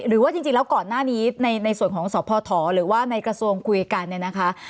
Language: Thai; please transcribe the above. หรือว่าจริงแล้วก่อนหน้านี้ในส่วนของสพหรือว่าในกระทรวงคุยกันเนี่ยนะคะ